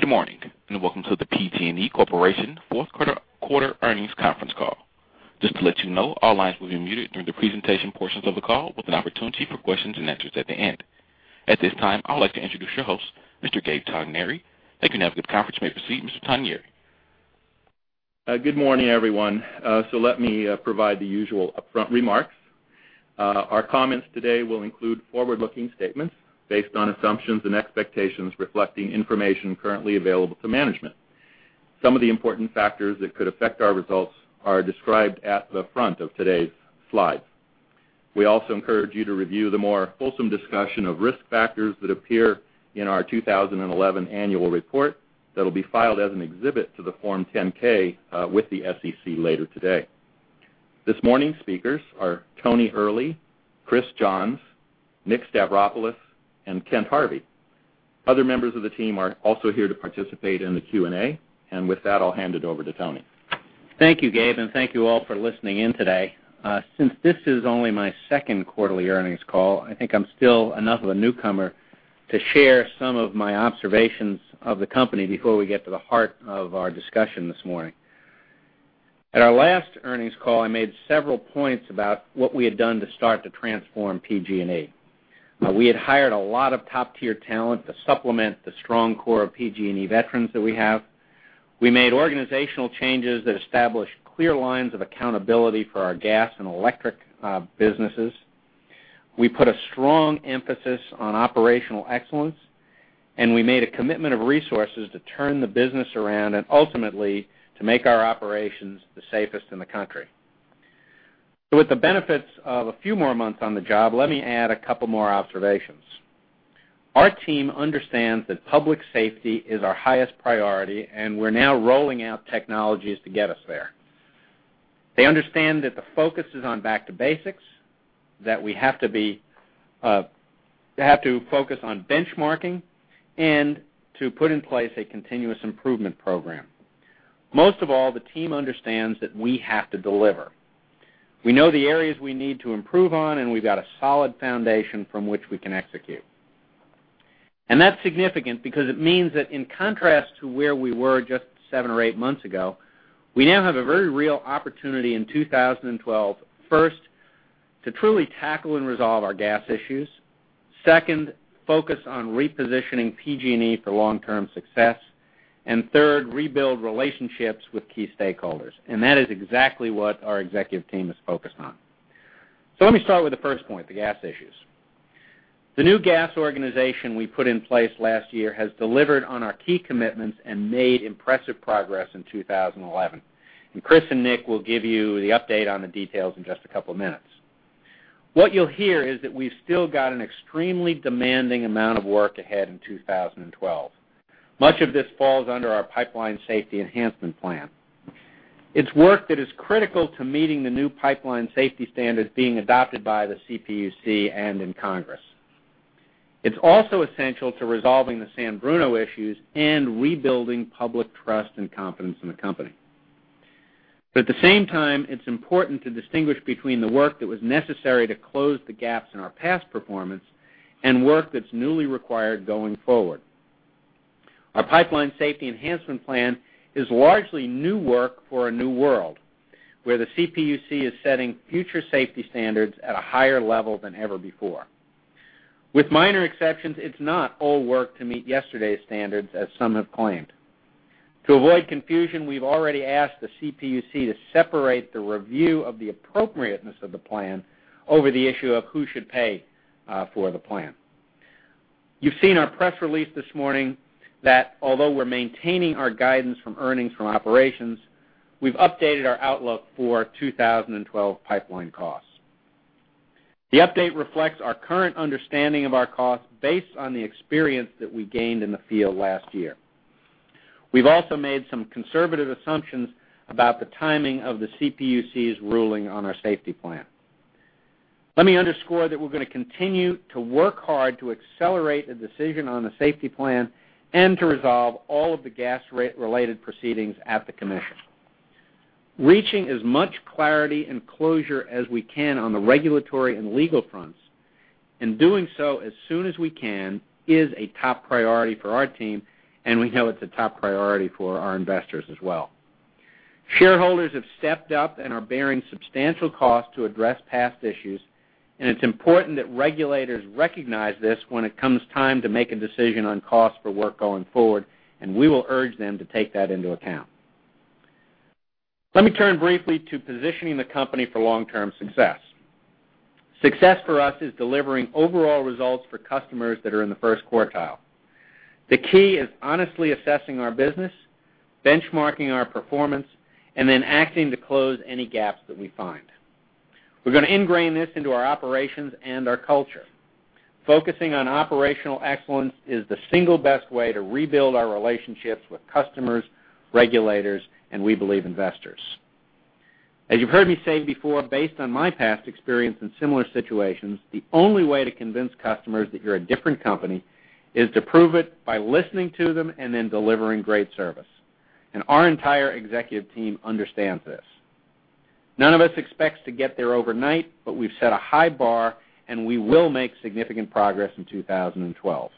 Good morning and welcome to the PG&E Corporation Fourth Quarter Earnings Conference Call. Just to let you know, all lines will be muted during the presentation portions of the call, with an opportunity for questions and answers at the end. At this time, I would like to introduce your host, Mr. Gabe Togneri. Thank you for having the conference. You may proceed, Mr. Togneri. Good morning, everyone. Let me provide the usual upfront remarks. Our comments today will include forward-looking statements based on assumptions and expectations reflecting information currently available to management. Some of the important factors that could affect our results are described at the front of today's slides. We also encourage you to review the more wholesome discussion of risk factors that appear in our 2011 annual report that will be filed as an exhibit to the Form 10-K with the SEC later today. This morning's speakers are Tony Earley, Chris Johns, Nick Stavropoulos, and Kent Harvey. Other members of the team are also here to participate in the Q&A, and with that, I'll hand it over to Tony. Thank you, Gabe, and thank you all for listening in today. Since this is only my second quarterly earnings call, I think I'm still enough of a newcomer to share some of my observations of the company before we get to the heart of our discussion this morning. At our last earnings call, I made several points about what we had done to start to transform PG&E. We had hired a lot of top-tier talent to supplement the strong core of PG&E veterans that we have. We made organizational changes that established clear lines of accountability for our gas and electric businesses. We put a strong emphasis on operational excellence, and we made a commitment of resources to turn the business around and ultimately to make our operations the safest in the country. With the benefits of a few more months on the job, let me add a couple more observations. Our team understands that public safety is our highest priority, and we're now rolling out technologies to get us there. They understand that the focus is on back to basics, that we have to focus on benchmarking, and to put in place a continuous improvement program. Most of all, the team understands that we have to deliver. We know the areas we need to improve on, and we've got a solid foundation from which we can execute. That's significant because it means that in contrast to where we were just seven or eight months ago, we now have a very real opportunity in 2012, first, to truly tackle and resolve our gas issues. Second, focus on repositioning PG&E for long-term success. Third, rebuild relationships with key stakeholders. That is exactly what our executive team is focused on. Let me start with the first point, the gas issues. The new gas organization we put in place last year has delivered on our key commitments and made impressive progress in 2011. Chris and Nick will give you the update on the details in just a couple of minutes. What you'll hear is that we've still got an extremely demanding amount of work ahead in 2012. Much of this falls under our pipeline safety enhancement plan. It's work that is critical to meeting the new pipeline safety standards being adopted by the CPUC and in Congress. It's also essential to resolving the San Bruno issues and rebuilding public trust and confidence in the company. At the same time, it's important to distinguish between the work that was necessary to close the gaps in our past performance and work that's newly required going forward. Our pipeline safety enhancement plan is largely new work for a new world, where the CPUC is setting future safety standards at a higher level than ever before. With minor exceptions, it's not all work to meet yesterday's standards, as some have claimed. To avoid confusion, we've already asked the CPUC to separate the review of the appropriateness of the plan over the issue of who should pay for the plan. You've seen our press release this morning that although we're maintaining our guidance from earnings from operations, we've updated our outlook for 2012 pipeline costs. The update reflects our current understanding of our costs based on the experience that we gained in the field last year. We've also made some conservative assumptions about the timing of the CPUC's ruling on our safety plan. Let me underscore that we're going to continue to work hard to accelerate the decision on the safety plan and to resolve all of the gas-related proceedings at the commission. Reaching as much clarity and closure as we can on the regulatory and legal fronts and doing so as soon as we can is a top priority for our team, and we know it's a top priority for our investors as well. Shareholders have stepped up and are bearing substantial costs to address past issues, and it's important that regulators recognize this when it comes time to make a decision on costs for work going forward, and we will urge them to take that into account. Let me turn briefly to positioning the company for long-term success. Success for us is delivering overall results for customers that are in the first quartile. The key is honestly assessing our business, benchmarking our performance, and then acting to close any gaps that we find. We're going to ingrain this into our operations and our culture. Focusing on operational excellence is the single best way to rebuild our relationships with customers, regulators, and we believe investors. As you've heard me say before, based on my past experience in similar situations, the only way to convince customers that you're a different company is to prove it by listening to them and then delivering great service. Our entire executive team understands this. None of us expects to get there overnight, but we've set a high bar, and we will make significant progress in 2012.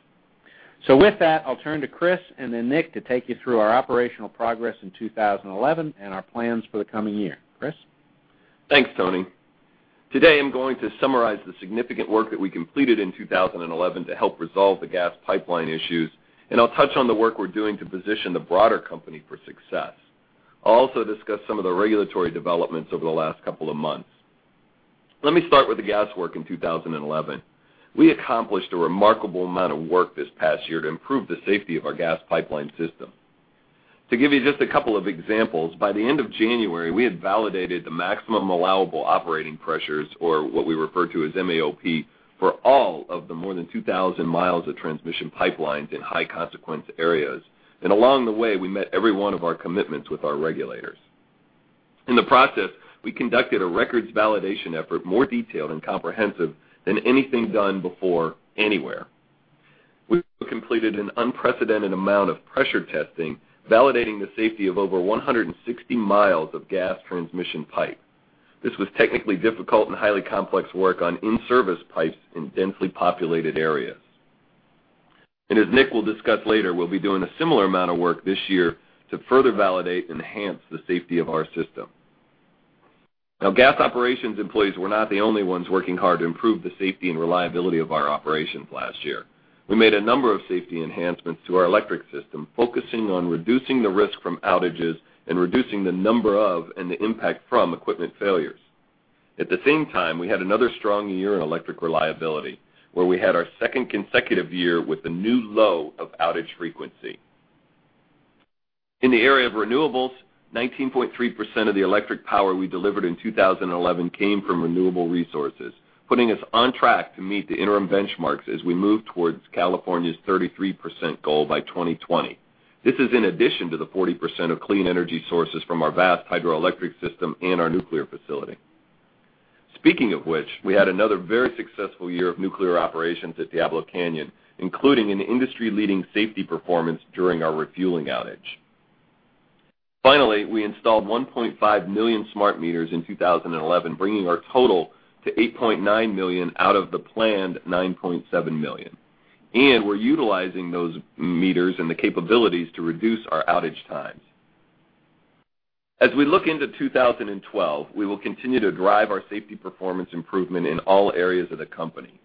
With that, I'll turn to Chris and then Nick to take you through our operational progress in 2011 and our plans for the coming year. Chris? Thanks, Tony. Today, I'm going to summarize the significant work that we completed in 2011 to help resolve the gas pipeline issues, and I'll touch on the work we're doing to position the broader company for success. I'll also discuss some of the regulatory developments over the last couple of months. Let me start with the gas work in 2011. We accomplished a remarkable amount of work this past year to improve the safety of our gas pipeline system. To give you just a couple of examples, by the end of January, we had validated the maximum allowable operating pressures, or what we refer to as MAOP, for all of the more than 2,000 mi of transmission pipelines in high-consequence areas. Along the way, we met every one of our commitments with our regulators. In the process, we conducted a records validation effort more detailed and comprehensive than anything done before anywhere. We completed an unprecedented amount of pressure testing, validating the safety of over 160 miles of gas transmission pipe. This was technically difficult and highly complex work on in-service pipes in densely populated areas. As Nick will discuss later, we'll be doing a similar amount of work this year to further validate and enhance the safety of our system. Now, gas operations employees were not the only ones working hard to improve the safety and reliability of our operations last year. We made a number of safety enhancements to our electric system, focusing on reducing the risk from outages and reducing the number of and the impact from equipment failures. At the same time, we had another strong year in electric reliability, where we had our second consecutive year with a new low of outage frequency. In the area of renewables, 19.3% of the electric power we delivered in 2011 came from renewable resources, putting us on track to meet the interim benchmarks as we move towards California's 33% goal by 2020. This is in addition to the 40% of clean energy sources from our vast hydroelectric system and our nuclear facility. Speaking of which, we had another very successful year of nuclear operations at Diablo Canyon, including an industry-leading safety performance during our refueling outage. Finally, we installed 1.5 million smart meters in 2011, bringing our total to 8.9 million out of the planned 9.7 million. We're utilizing those meters and the capabilities to reduce our outage times. As we look into 2012, we will continue to drive our safety performance improvement in all areas of the company.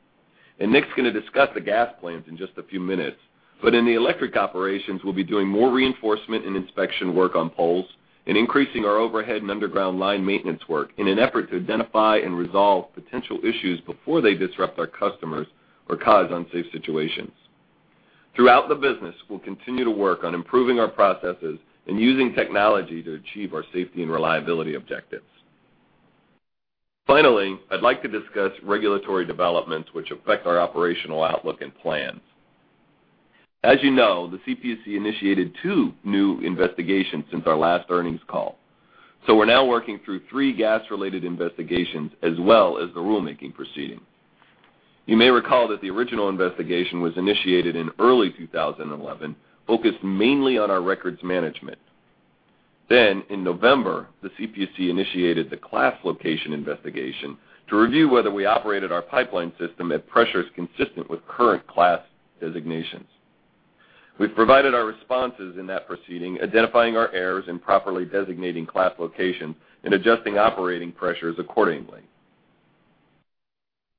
Nick's going to discuss the gas plant in just a few minutes. In the electric operations, we'll be doing more reinforcement and inspection work on poles and increasing our overhead and underground line maintenance work in an effort to identify and resolve potential issues before they disrupt our customers or cause unsafe situations. Throughout the business, we'll continue to work on improving our processes and using technology to achieve our safety and reliability objectives. Finally, I'd like to discuss regulatory developments, which affect our operational outlook and plans. As you know, the CPUC initiated two new investigations since our last earnings call. We're now working through three gas-related investigations, as well as the rulemaking proceedings. You may recall that the original investigation was initiated in early 2011, focused mainly on our records management. In November, the CPUC initiated the class location investigation to review whether we operated our pipeline system at pressures consistent with current class designations. We've provided our responses in that proceeding, identifying our errors in properly designating class locations and adjusting operating pressures accordingly.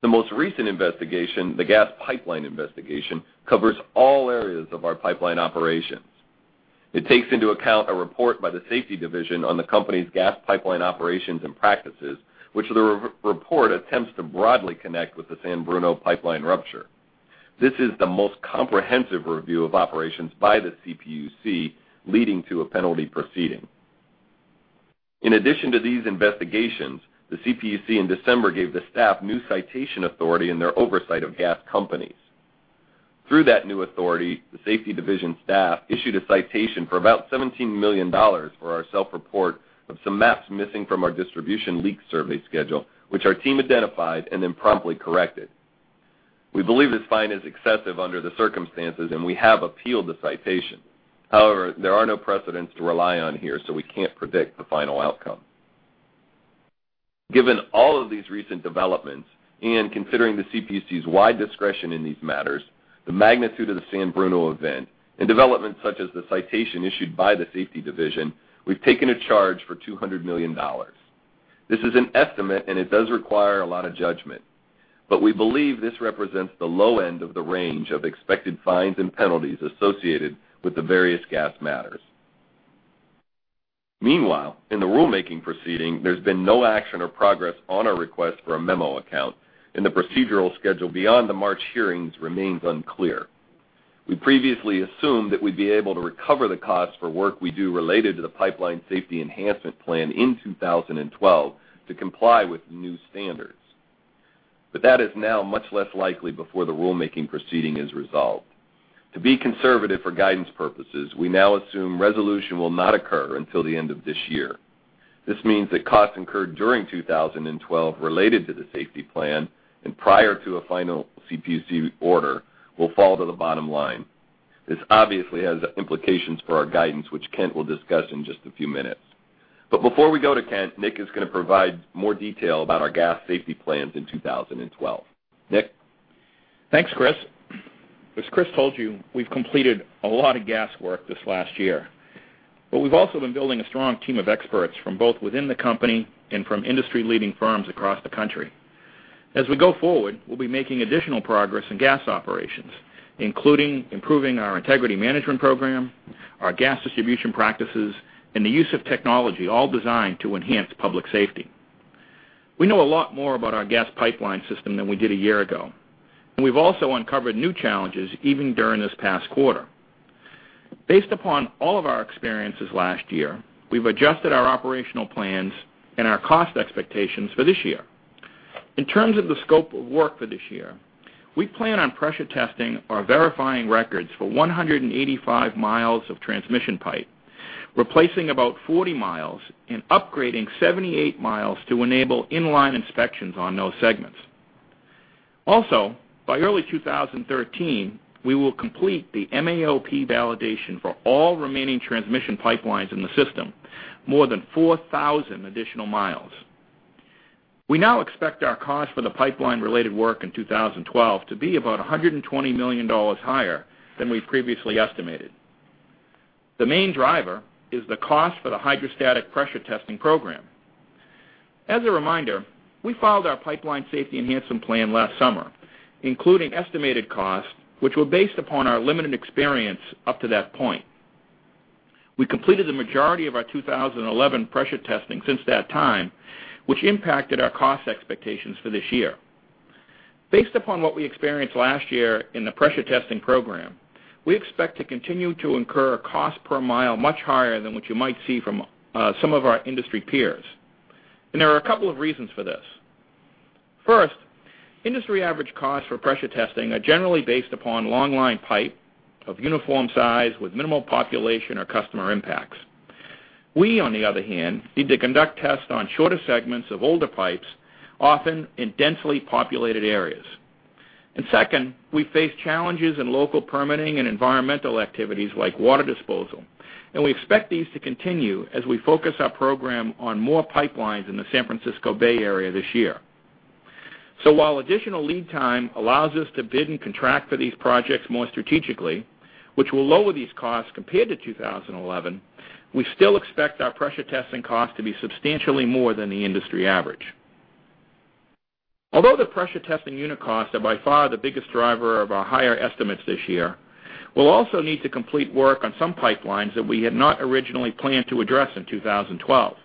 The most recent investigation, the gas pipeline investigation, covers all areas of our pipeline operations. It takes into account a report by the safety division on the company's gas pipeline operations and practices, which the report attempts to broadly connect with the San Bruno pipeline rupture. This is the most comprehensive review of operations by the CPUC, leading to a penalty proceeding. In addition to these investigations, the CPUC, in December, gave the staff new citation authority in their oversight of gas companies. Through that new authority, the safety division staff issued a citation for about $17 million for our self-report of some maps missing from our distribution leak survey schedule, which our team identified and then promptly corrected. We believe this fine is excessive under the circumstances, and we have appealed the citation. However, there are no precedents to rely on here, so we can't predict the final outcome. Given all of these recent developments and considering the CPUC's wide discretion in these matters, the magnitude of the San Bruno event, and developments such as the citation issued by the safety division, we've taken a charge for $200 million. This is an estimate, and it does require a lot of judgment. We believe this represents the low end of the range of expected fines and penalties associated with the various gas matters. Meanwhile, in the rulemaking proceeding, there's been no action or progress on our request for a memo account, and the procedural schedule beyond the March hearings remains unclear. We previously assumed that we'd be able to recover the costs for work we do related to the pipeline safety enhancement plan in 2012 to comply with the new standards. That is now much less likely before the rulemaking proceeding is resolved. To be conservative for guidance purposes, we now assume resolution will not occur until the end of this year. This means that costs incurred during 2012 related to the safety plan and prior to a final CPUC order will fall to the bottom line. This obviously has implications for our guidance, which Kent will discuss in just a few minutes. Before we go to Kent, Nick is going to provide more detail about our gas safety plans in 2012. Nick? Thanks, Chris. As Chris told you, we've completed a lot of gas work this last year. We've also been building a strong team of experts from both within the company and from industry-leading firms across the country. As we go forward, we'll be making additional progress in gas operations, including improving our integrity management program, our gas distribution practices, and the use of technology, all designed to enhance public safety. We know a lot more about our gas pipeline system than we did a year ago. We've also uncovered new challenges even during this past quarter. Based upon all of our experiences last year, we've adjusted our operational plans and our cost expectations for this year. In terms of the scope of work for this year, we plan on pressure testing or verifying records for 185 mi of transmission pipe, replacing about 40 mi, and upgrading 78 mi to enable in-line inspections on those segments. Also, by early 2013, we will complete the MAOP validation for all remaining transmission pipelines in the system, more than 4,000 additional miles. We now expect our cost for the pipeline-related work in 2012 to be about $120 million higher than we've previously estimated. The main driver is the cost for the hydrostatic pressure testing program. As a reminder, we filed our pipeline safety enhancement plan last summer, including estimated costs, which were based upon our limited experience up to that point. We completed the majority of our 2011 pressure testing since that time, which impacted our cost expectations for this year. Based upon what we experienced last year in the pressure testing program, we expect to continue to incur a cost per mile much higher than what you might see from some of our industry peers. There are a couple of reasons for this. First, industry-average costs for pressure testing are generally based upon long-line pipe of uniform size with minimal population or customer impacts. We, on the other hand, need to conduct tests on shorter segments of older pipes, often in densely populated areas. Second, we face challenges in local permitting and environmental activities like water disposal. We expect these to continue as we focus our program on more pipelines in the San Francisco Bay Area this year. While additional lead time allows us to bid and contract for these projects more strategically, which will lower these costs compared to 2011, we still expect our pressure testing costs to be substantially more than the industry average. Although the pressure testing unit costs are by far the biggest driver of our higher estimates this year, we'll also need to complete work on some pipelines that we had not originally planned to address in 2012.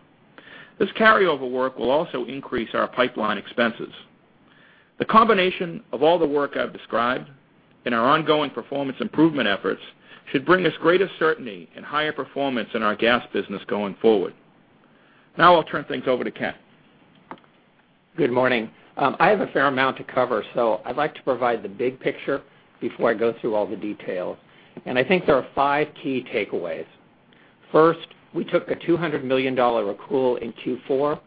This carryover work will also increase our pipeline expenses. The combination of all the work I've described and our ongoing performance improvement efforts should bring us greater certainty and higher performance in our gas business going forward. Now I'll turn things over to Kent. Good morning. I have a fair amount to cover, so I'd like to provide the big picture before I go through all the detail. I think there are five key takeaways. First, we took a $200 million accrual in Q4 for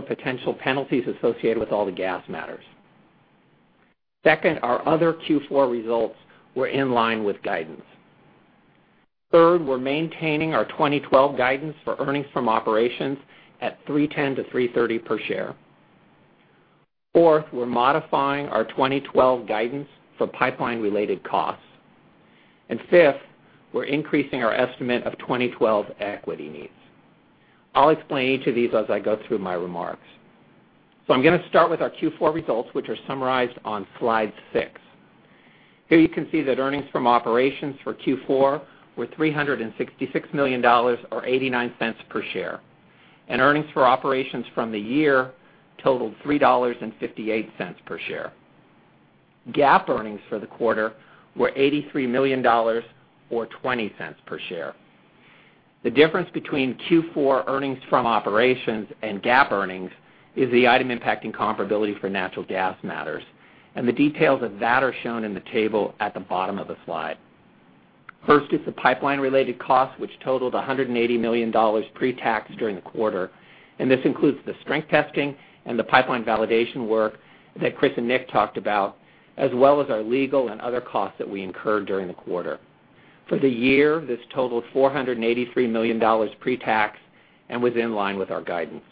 potential penalties associated with all the gas matters. Second, our other Q4 results were in line with guidance. Third, we're maintaining our 2012 guidance for earnings from operations at $3.10-$3.30 per share. Fourth, we're modifying our 2012 guidance for pipeline-related costs. Fifth, we're increasing our estimate of 2012 equity needs. I'll explain each of these as I go through my remarks. I'm going to start with our Q4 results, which are summarized on slide 6. Here you can see that earnings from operations for Q4 were $366 million or $0.89 per share. Earnings from operations for the year totaled $3.58 per share. GAAP earnings for the quarter were $83 million or $0.20 per share. The difference between Q4 earnings from operations and GAAP earnings is the item impacting comparability for natural gas matters, and the details of that are shown in the table at the bottom of the slide. First, it's the pipeline-related costs, which totaled $180 million pre-tax during the quarter. This includes the strength testing and the pipeline validation work that Chris and Nick talked about, as well as our legal and other costs that we incurred during the quarter. For the year, this totaled $483 million pre-tax and was in line with our guidance.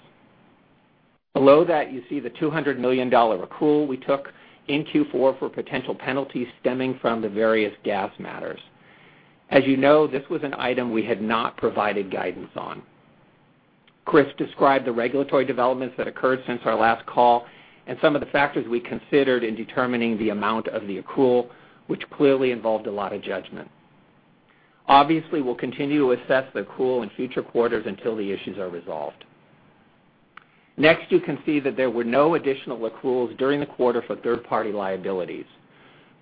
Below that, you see the $200 million accrual we took in Q4 for potential penalties stemming from the various gas matters. As you know, this was an item we had not provided guidance on. Chris described the regulatory developments that occurred since our last call and some of the factors we considered in determining the amount of the accrual, which clearly involved a lot of judgment. Obviously, we'll continue to assess the accrual in future quarters until the issues are resolved. Next, you can see that there were no additional accruals during the quarter for third-party liabilities.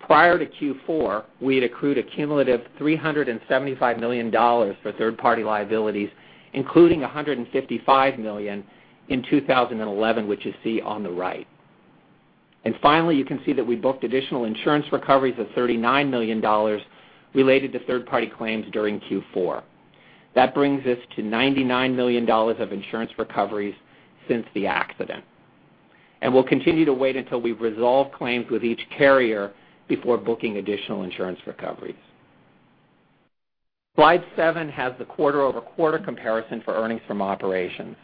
Prior to Q4, we had accrued a cumulative $375 million for third-party liabilities, including $155 million in 2011, which you see on the right. Finally, you can see that we booked additional insurance recoveries of $39 million related to third-party claims during Q4. That brings us to $99 million of insurance recoveries since the accident. We will continue to wait until we resolve claims with each carrier before booking additional insurance recoveries. Slide 7 has the quarter-over-quarter comparison for earnings from operations.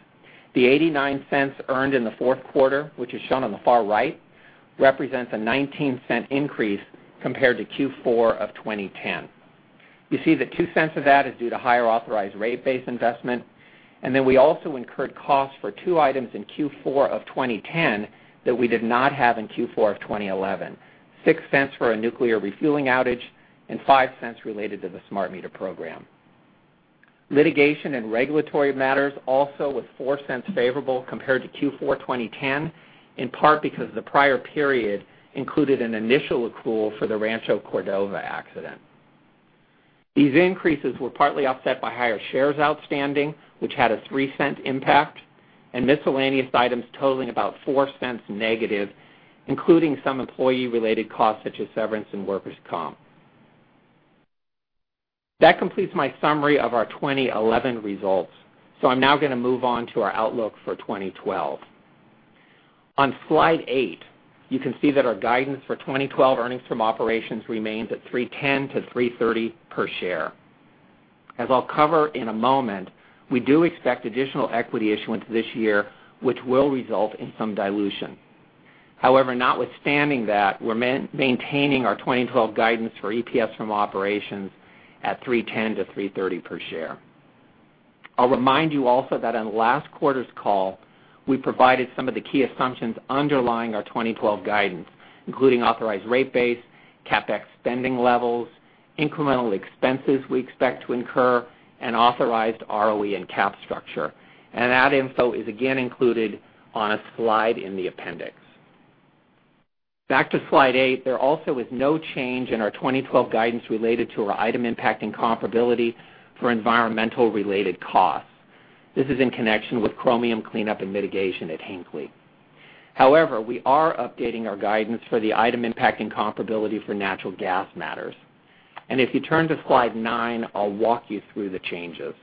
The $0.89 earned in the fourth quarter, which is shown on the far right, represents a $0.19 increase compared to Q4 of 2010. You see that $0.02 of that is due to higher authorized rate-based investment. We also incurred costs for two items in Q4 of 2010 that we did not have in Q4 of 2011: $0.06 for a nuclear refueling outage and $0.05 related to the smart meter program. Litigation and regulatory matters also were $0.04 favorable compared to Q4 2010, in part because the prior period included an initial recoil for the Rancho Cordova accident. These increases were partly offset by higher shares outstanding, which had a $0.03 impact, and miscellaneous items totaling about -$0.04, including some employee-related costs such as severance and workers' comp. That completes my summary of our 2011 results. I am now going to move on to our outlook for 2012. On slide 8, you can see that our guidance for 2012 earnings from operations remains at $3.10-$3.30 per share. As I will cover in a moment, we do expect additional equity issuance this year, which will result in some dilution. However, notwithstanding that, we are maintaining our 2012 guidance for EPS from operations at $3.10-$3.30 per share. I will remind you also that in the last quarter's call, we provided some of the key assumptions underlying our 2012 guidance, including authorized rate base, CapEx spending levels, incremental expenses we expect to incur, and authorized ROE and capital structure. That info is again included on a slide in the appendix. Back to slide 8, there also is no change in our 2012 guidance related to our item impacting comparability for environmental-related costs. This is in connection with chromium cleanup and mitigation at Hinckley. We are updating our guidance for the item impacting comparability for natural gas matters. If you turn to slide 9, I will walk you through the changes.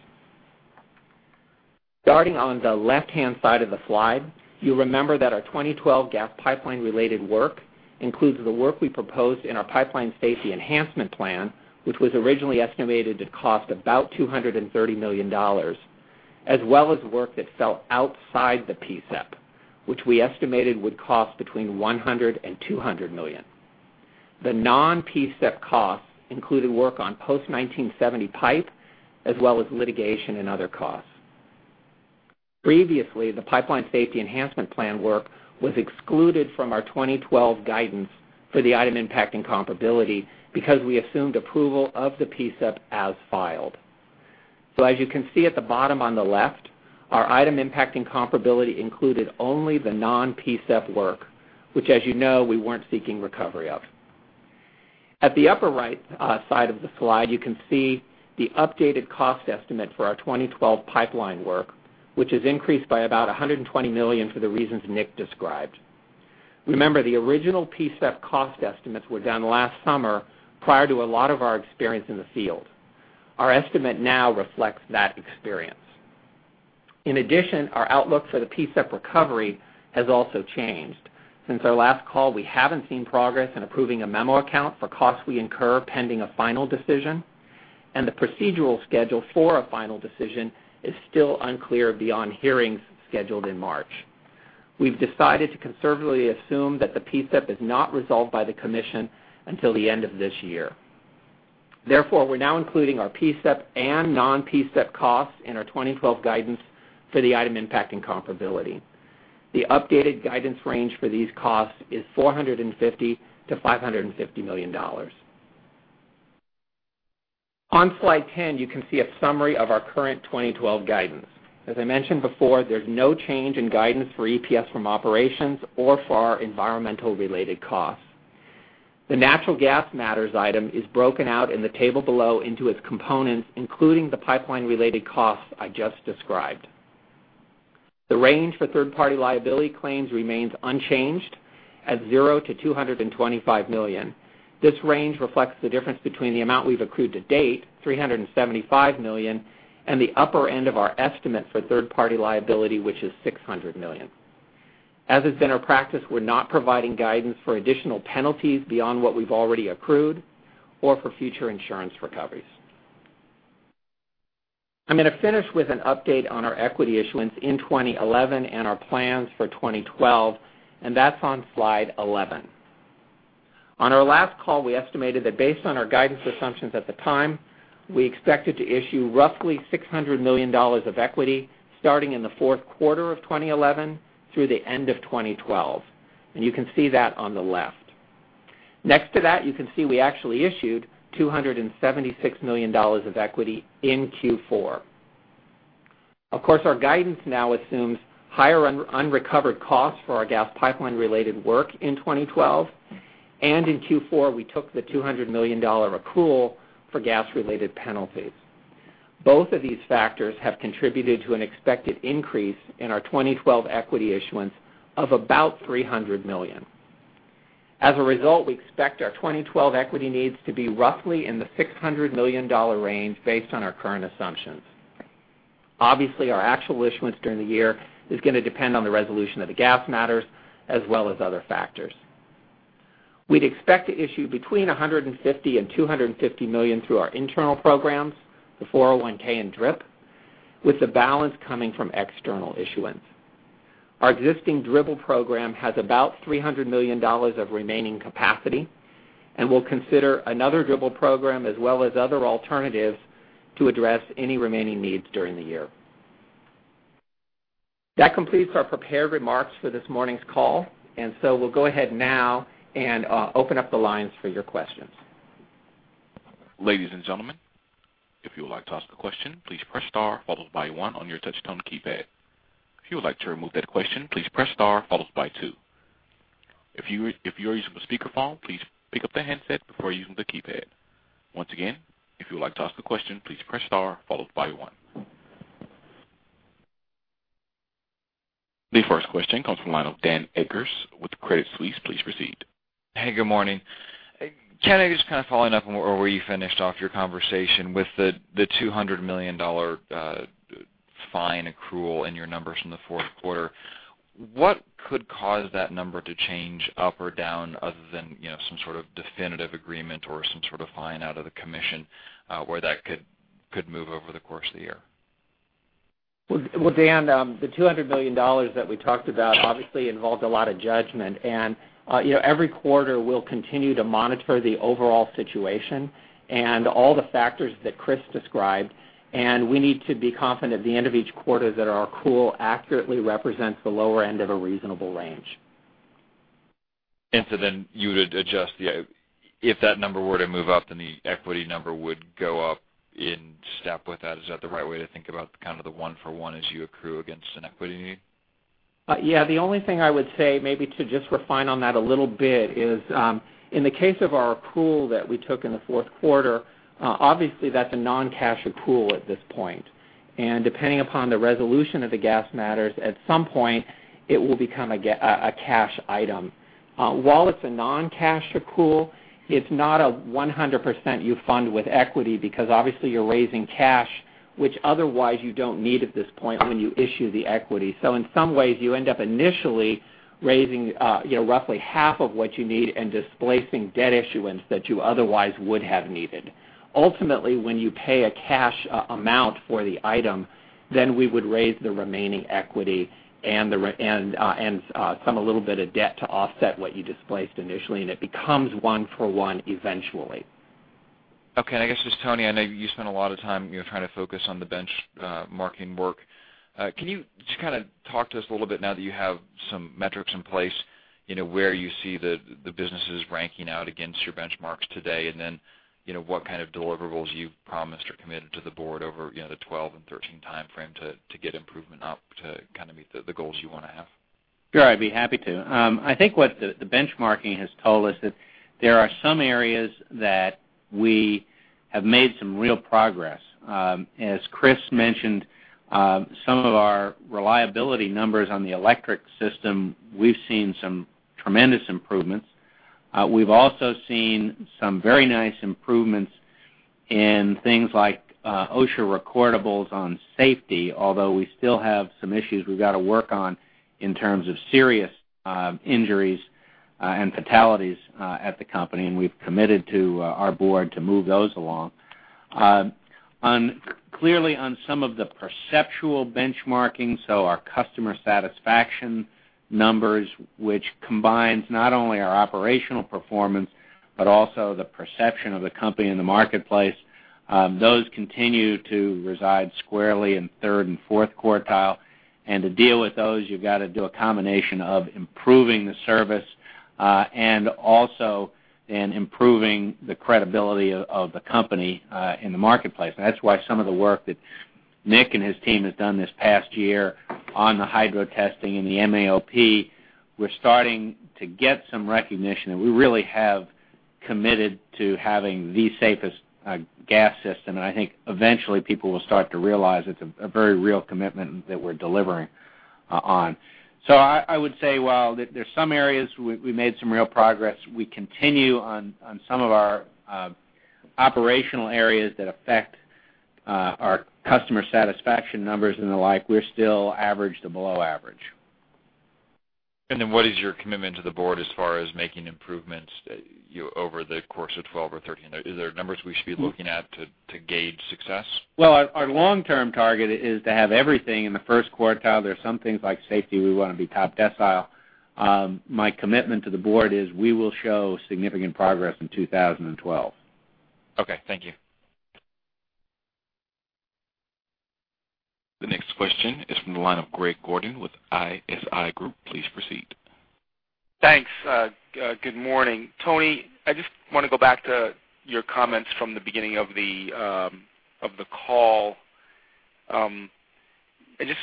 Starting on the left-hand side of the slide, you will remember that our 2012 gas pipeline-related work includes the work we proposed in our pipeline safety enhancement plan, which was originally estimated to cost about $230 million, as well as work that fell outside the PSEP, which we estimated would cost between $100 million and $200 million. The non-PSEP costs included work on post-1970 pipe, as well as litigation and other costs. Previously, the pipeline safety enhancement plan work was excluded from our 2012 guidance for the item impacting comparability because we assumed approval of the PSEP as filed. As you can see at the bottom on the left, our item impacting comparability included only the non-PSEP work, which, as you know, we weren't seeking recovery of. At the upper right side of the slide, you can see the updated cost estimate for our 2012 pipeline work, which has increased by about $120 million for the reasons Nick described. Remember, the original PSEP cost estimates were done last summer prior to a lot of our experience in the field. Our estimate now reflects that experience. In addition, our outlook for the PSEP recovery has also changed. Since our last call, we haven't seen progress in approving a memo account for costs we incur pending a final decision. The procedural schedule for a final decision is still unclear beyond hearings scheduled in March. We've decided to conservatively assume that the PSEP is not resolved by the commission until the end of this year. Therefore, we're now including our PSEP and non-PSEP costs in our 2012 guidance for the item impacting comparability. The updated guidance range for these costs is $450 million-$550 million. On slide 10, you can see a summary of our current 2012 guidance. As I mentioned before, there's no change in guidance for EPS from operations or for our environmental-related costs. The natural gas matters item is broken out in the table below into its components, including the pipeline-related costs I just described. The range for third-party liability claims remains unchanged at $0-$225 million. This range reflects the difference between the amount we've accrued to date, $375 million, and the upper end of our estimate for third-party liability, which is $600 million. As it's been our practice, we're not providing guidance for additional penalties beyond what we've already accrued or for future insurance recoveries. I'm going to finish with an update on our equity issuance in 2011 and our plans for 2012, and that's on slide 11. On our last call, we estimated that based on our guidance assumptions at the time, we expected to issue roughly $600 million of equity starting in the fourth quarter of 2011 through the end of 2012. You can see that on the left. Next to that, you can see we actually issued $276 million of equity in Q4. Of course, our guidance now assumes higher unrecovered costs for our gas pipeline-related work in 2012. In Q4, we took the $200 million recoil for gas-related penalties. Both of these factors have contributed to an expected increase in our 2012 equity issuance of about $300 million. As a result, we expect our 2012 equity needs to be roughly in the $600 million range based on our current assumptions. Obviously, our actual issuance during the year is going to depend on the resolution of the gas matters as well as other factors. We expect to issue between $150 million and $250 million through our internal programs, the 401(k) and DRIP, with the balance coming from external issuance. Our existing Dribble Program has about $300 million of remaining capacity. We will consider another Dribble Program as well as other alternatives to address any remaining needs during the year. That completes our prepared remarks for this morning's call. We will go ahead now and open up the lines for your questions. Ladies and gentlemen, if you would like to ask a question, please press star followed by one on your touch-tone keypad. If you would like to remove that question, please press star followed by two. If you are using a speakerphone, please pick up the headset before using the keypad. Once again, if you would like to ask a question, please press star followed by one. The first question comes from the line of Dan Eggers with Credit Suisse. Please proceed. Hey, good morning. Kent, just kind of following up on where we finished off your conversation with the $200 million fine accrual in your numbers from the fourth quarter. What could cause that number to change up or down other than, you know, some sort of definitive agreement or some sort of fine out of the commission where that could move over the course of the year? The $200 million that we talked about obviously involved a lot of judgment. You know, every quarter, we'll continue to monitor the overall situation and all the factors that Chris described. We need to be confident at the end of each quarter that our accrual accurately represents the lower end of a reasonable range. You would adjust the, if that number were to move up, the equity number would go up in step with that. Is that the right way to think about kind of the one for one as you accrue against an equity need? Yeah, the only thing I would say maybe to just refine on that a little bit is in the case of our accrual that we took in the fourth quarter, obviously that's a non-cash accrual at this point. Depending upon the resolution of the gas matters, at some point, it will become a cash item. While it's a non-cash accrual, it's not a 100% you fund with equity because obviously you're raising cash, which otherwise you don't need at this point when you issue the equity. In some ways, you end up initially raising, you know, roughly half of what you need and displacing debt issuance that you otherwise would have needed. Ultimately, when you pay a cash amount for the item, then we would raise the remaining equity and some a little bit of debt to offset what you displaced initially. It becomes one for one eventually. Okay, and I guess, just Tony, I know you spent a lot of time trying to focus on the benchmarking work. Can you just kind of talk to us a little bit now that you have some metrics in place, where you see the businesses ranking out against your benchmarks today, and what kind of deliverables you've promised or committed to the board over the 2012 and 2013 timeframe to get improvement up to kind of meet the goals you want to have? Sure, I'd be happy to. I think what the benchmarking has told us is that there are some areas that we have made some real progress. As Chris mentioned, some of our reliability numbers on the electric system, we've seen some tremendous improvements. We've also seen some very nice improvements in things like OSHA recordables on safety, although we still have some issues we've got to work on in terms of serious injuries and fatalities at the company. We've committed to our board to move those along. Clearly, on some of the perceptual benchmarking, our customer satisfaction numbers, which combines not only our operational performance but also the perception of the company in the marketplace, continue to reside squarely in third and fourth quartile. To deal with those, you've got to do a combination of improving the service and also improving the credibility of the company in the marketplace. That's why some of the work that Nick and his team have done this past year on the hydrostatic pressure testing and the MAOP, we're starting to get some recognition. We really have committed to having the safest gas system. I think eventually people will start to realize it's a very real commitment that we're delivering on. I would say, while there's some areas we made some real progress, we continue on some of our operational areas that affect our customer satisfaction numbers and the like, we're still average to below average. What is your commitment to the board as far as making improvements over the course of 2012 or 2013? Are there numbers we should be looking at to gauge success? Our long-term target is to have everything in the first quartile. There are some things like safety we want to be top decile. My commitment to the board is we will show significant progress in 2012. Okay, thank you. The next question is from the line of Greg Gordon with ISI Group. Please proceed. Thanks. Good morning. Tony, I just want to go back to your comments from the beginning of the call. I just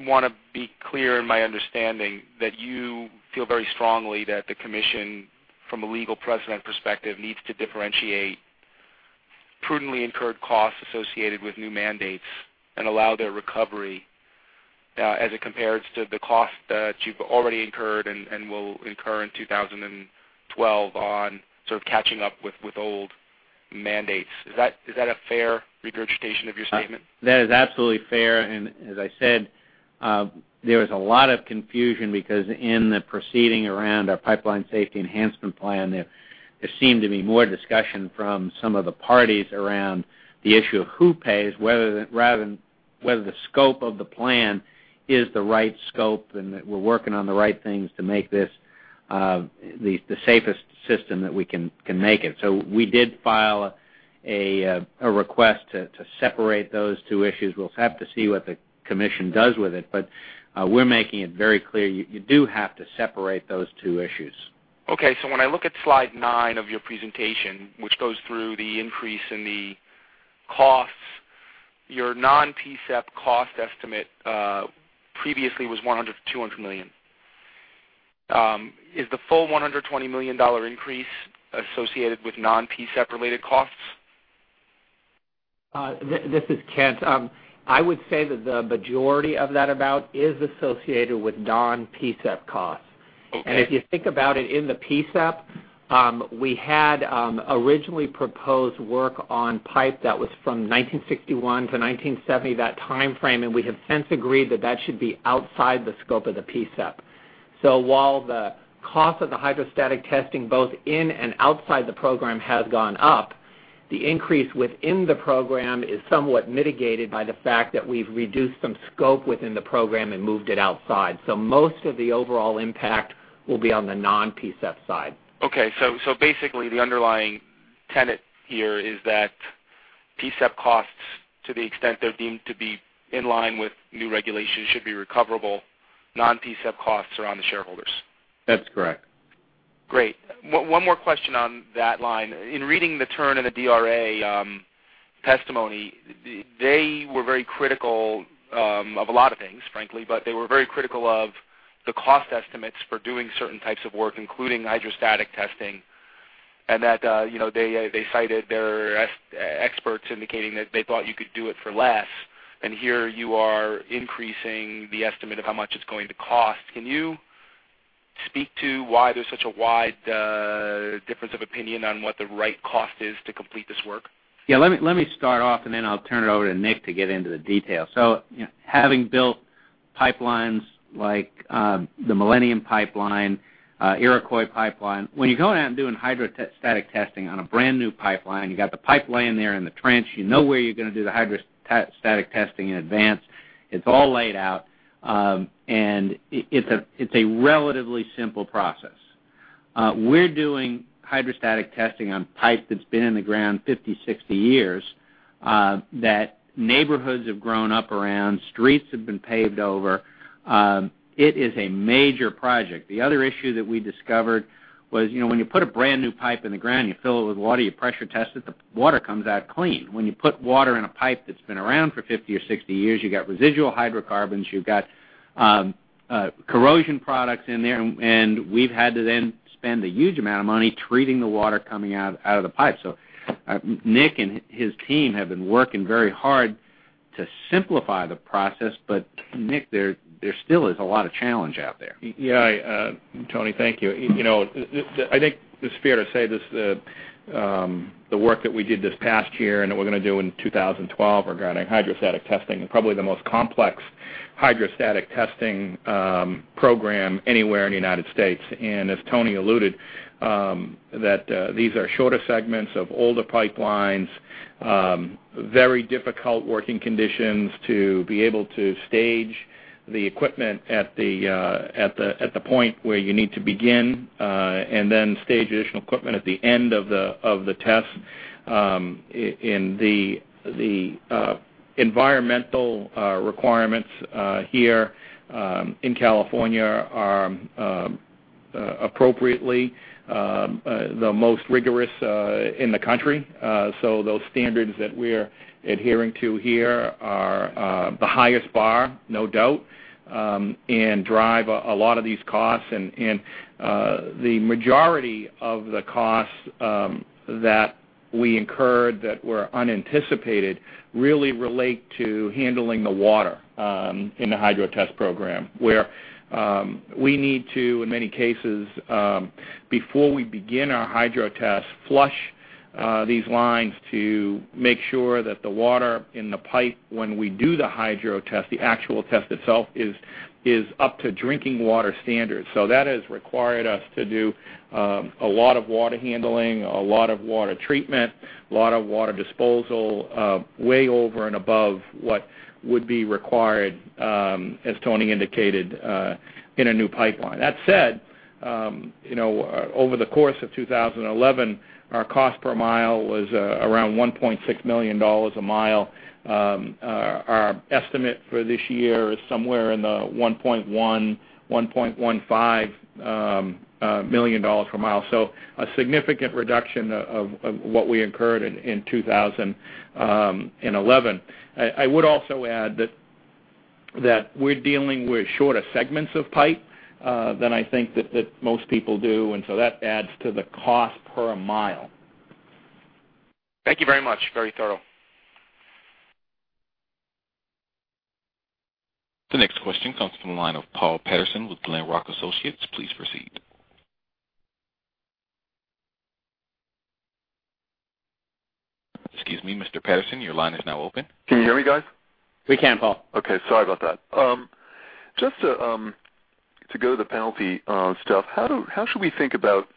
want to be clear in my understanding that you feel very strongly that the commission, from a legal precedent perspective, needs to differentiate prudently incurred costs associated with new mandates and allow their recovery as it compares to the costs that you've already incurred and will incur in 2012 on sort of catching up with old mandates. Is that a fair regurgitation of your statement? That is absolutely fair. As I said, there was a lot of confusion because in the proceeding around our pipeline safety enhancement plan, there seemed to be more discussion from some of the parties around the issue of who pays, rather than whether the scope of the plan is the right scope and that we're working on the right things to make this the safest system that we can make it. We did file a request to separate those two issues. We'll have to see what the commission does with it. We're making it very clear you do have to separate those two issues. Okay, when I look at slide 9 of your presentation, which goes through the increase in the costs, your non-PSEP cost estimate previously was $100 million-$200 million. Is the full $120 million increase associated with non-PSEP related costs? This is Kent. I would say that the majority of that amount is associated with non-PSEP costs. If you think about it, in the PSEP, we had originally proposed work on pipe that was from 1961 to 1970, that timeframe, and we have since agreed that that should be outside the scope of the PSEP. While the cost of the hydrostatic testing both in and outside the program has gone up, the increase within the program is somewhat mitigated by the fact that we've reduced some scope within the program and moved it outside. Most of the overall impact will be on the non-PSEP side. Okay, so basically, the underlying tenet here is that PSEP costs, to the extent they're deemed to be in line with new regulations, should be recoverable. Non-PSEP costs are on the shareholders. That's correct. Great. One more question on that line. In reading the TURN and the DRA testimony, they were very critical of a lot of things, frankly, but they were very critical of the cost estimates for doing certain types of work, including hydrostatic testing. They cited their experts indicating that they thought you could do it for less. Here you are increasing the estimate of how much it's going to cost. Can you speak to why there's such a wide difference of opinion on what the right cost is to complete this work? Yeah, let me start off, and then I'll turn it over to Nick to get into the details. Having built pipelines like the Millennium Pipeline and Iroquois Pipeline, when you're going out and doing hydrostatic testing on a brand new pipeline, you've got the pipeline there in the trench. You know where you're going to do the hydrostatic testing in advance. It's all laid out, and it's a relatively simple process. We're doing hydrostatic testing on pipe that's been in the ground 50, 60 years, that neighborhoods have grown up around, streets have been paved over. It is a major project. The other issue that we discovered was, when you put a brand new pipe in the ground, you fill it with water, you pressure test it, the water comes out clean. When you put water in a pipe that's been around for 50 or 60 years, you've got residual hydrocarbons, you've got corrosion products in there, and we've had to then spend a huge amount of money treating the water coming out of the pipe. Nick and his team have been working very hard to simplify the process, but Nick, there still is a lot of challenge out there. Yeah, Tony, thank you. I think it's fair to say the work that we did this past year and that we're going to do in 2012 regarding hydrostatic testing is probably the most complex hydrostatic testing program anywhere in the United States. As Tony alluded, these are shorter segments of older pipelines, very difficult working conditions to be able to stage the equipment at the point where you need to begin, and then stage additional equipment at the end of the tests. The environmental requirements here in California are appropriately the most rigorous in the country. Those standards that we're adhering to here are the highest bar, no doubt, and drive a lot of these costs. The majority of the costs that we incurred that were unanticipated really relate to handling the water in the hydro test program, where we need to, in many cases, before we begin our hydro tests, flush these lines to make sure that the water in the pipe, when we do the hydro test, the actual test itself, is up to drinking water standards. That has required us to do a lot of water handling, a lot of water treatment, a lot of water disposal, way over and above what would be required, as Tony indicated, in a new pipeline. That said, over the course of 2011, our cost per mile was around $1.6 million a mile. Our estimate for this year is somewhere in the $1.1 million, $1.15 million per mile. A significant reduction of what we incurred in 2011. I would also add that we're dealing with shorter segments of pipe than I think that most people do. That adds to the cost per mile. Thank you very much. Very thorough. The next question comes from the line of Paul Patterson with Glenrock Associates. Please proceed. Mr. Patterson, your line is now open. Can you hear me, guys? We can, Paul. Okay, sorry about that. Just to go to the penalty stuff, how should we think about